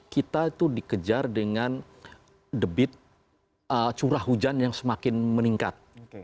kita itu dikejar dengan debit curah hujan yang semakin meningkat